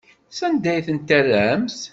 Sanda ay tent-terramt?